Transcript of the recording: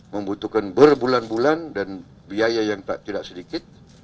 membutuhkan berbulan bulan dan biaya yang tidak sedikit